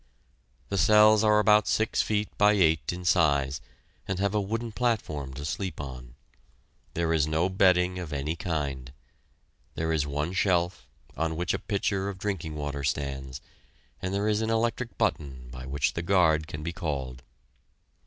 The cells are about six feet by eight in size, and have a wooden platform to sleep on. There is no bedding of any kind. There is one shelf, on which a pitcher of drinking water stands, and there is an electric button by which the guard can be called.